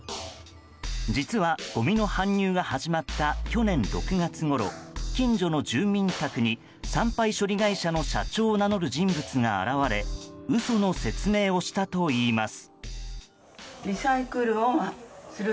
実は、ごみの搬入が始まった去年６月ごろ、近所の住民宅に産廃処理会社の社長を名乗る人物が現れ嘘の説明をしたといいます。